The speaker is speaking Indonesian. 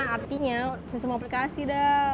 artinya bisa semuang aplikasi dal